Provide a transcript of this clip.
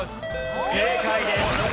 正解です。